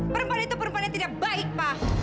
perempuan itu perempuan yang tidak baik pak